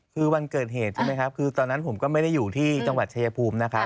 คือวันเกิดเหตุใช่ไหมครับคือตอนนั้นผมก็ไม่ได้อยู่ที่จังหวัดชายภูมินะครับ